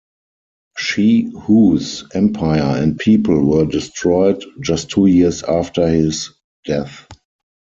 Shi Hu's empire and people were destroyed, just two years after his death.